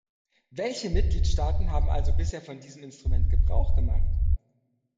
Welche Mitgliedstaaten haben also bisher von diesem Instrument Gebrauch gemacht?